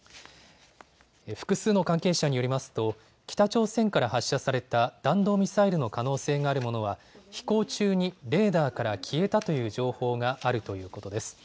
複数の関係者によりますと北朝鮮から発射された弾道ミサイルの可能性があるものは飛行中にレーダーから消えたという情報があるということです。